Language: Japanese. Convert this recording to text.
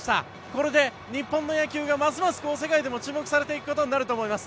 これで日本の野球がますます世界でも注目されていくことになると思います。